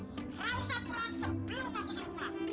rausak pulang sebelum aku suruh pulang